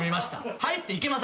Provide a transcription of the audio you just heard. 入っていけません。